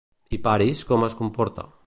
I Paris, com es comporta?